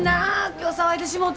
今日騒いでしもうてさっき。